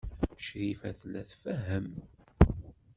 Crifa tella tfehhem.